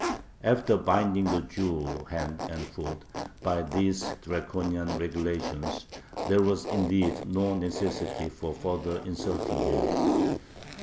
After binding the Jew hand and foot by these draconian regulations there was indeed no necessity for further insulting him.